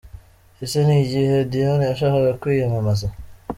Ese ni igihe Diane yashakaga kwiyamamaza?